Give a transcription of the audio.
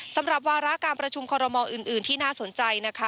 สำหรับวาระการประชุมคอรมออื่นที่น่าสนใจนะคะ